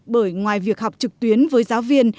bởi ngoài việc học trực tuyến với giáo viên